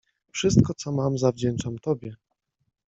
— Wszystko, co mam, zawdzięczam tobie.